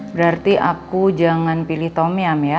berarti aku jangan pilih tomyam ya